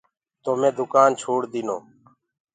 تو مي دُڪآن ڇوڙديٚنو۔